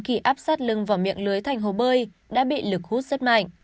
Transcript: khi áp sát lưng vào miệng lưới thành hồ bơi đã bị lực hút rất mạnh